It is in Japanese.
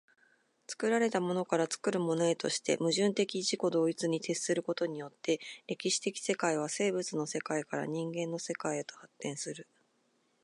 作られたものから作るものへとして、矛盾的自己同一に徹することによって、歴史的世界は生物の世界から人間の世界へと発展する。